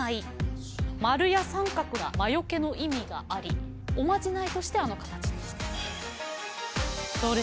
丸や三角が魔よけの意味がありおまじないとしてあの形にしている。